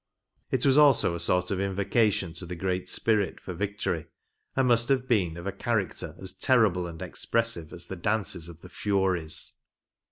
It was also a sort of invocation to the Great Spirit for victory, and must have been of a character as terrible and expressive as the dances of the Furies.